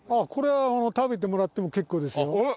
これは食べてもらっても結構ですよ。